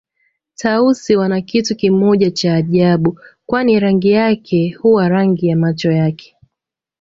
Tausi wana kitu kimoja cha ajabu kwani rangi yake huwa rangi ya macho yake